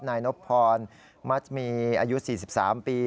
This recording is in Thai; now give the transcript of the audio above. นายนบพรมัชมีอายุ๔๓ปี